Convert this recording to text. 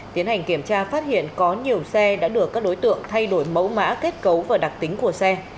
tiến hành kiểm tra phát hiện có nhiều xe đã được các đối tượng thay đổi mẫu mã kết cấu và đặc tính của xe